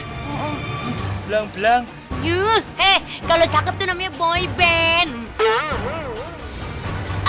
hai ilang ilang yuk eh kalau cukup namanya boy band